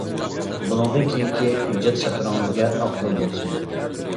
بۇندىن كېيىنكى ئىجاد سەپىرىڭىزگە ئاق يول بولسۇن!